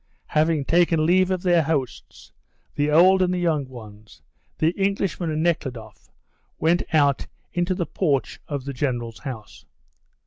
Having taken leave of their hosts, the old and the young ones, the Englishman and Nekhludoff went out into the porch of the General's house.